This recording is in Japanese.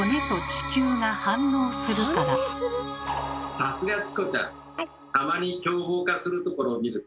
さすがチコちゃん！